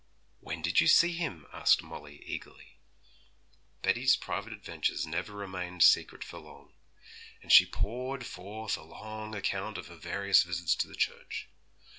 'When did you see him?' asked Molly eagerly. Betty's private adventures never remained secret for long, and she poured forth a long account of her various visits to the church.